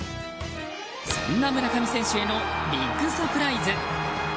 そんな村上選手へのビッグサプライズ。